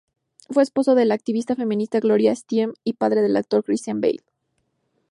Fue esposo de la activista feminista Gloria Steinem y padre del actor Christian Bale.